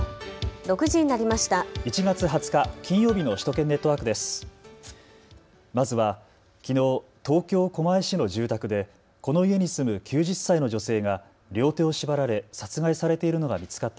６時になりました。